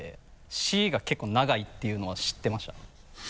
「し」が結構長いっていうのは知ってました。